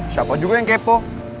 siapa juga yang kepo